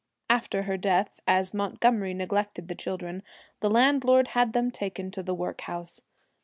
After her death, as Montgomery neglected the children, the landlord had them taken to the workhouse.